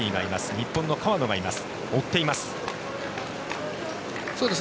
日本の川野がいます。